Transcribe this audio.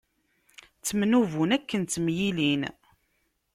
Ttemnubun akken ttemyilin.